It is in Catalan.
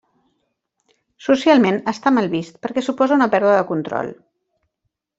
Socialment està mal vist perquè suposa una pèrdua de control.